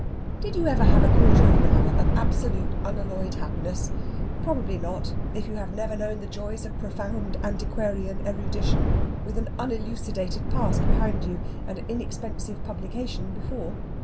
Did you ever have a quarter of an hour of absolutely unalloyed happiness? Probably not, if you have never known the joys of profound antiquarian erudition, with an unelucidated past behind you, and inexpensive publication before.